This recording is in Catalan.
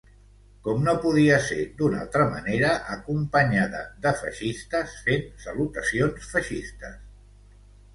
Com no podia ser d'un altre manera acompanyada de feixistes fens salutacions feixistes.